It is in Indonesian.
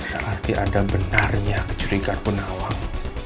berarti ada benarnya kecurigaan penawang